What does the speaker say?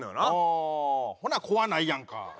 ああほな怖ないやんか。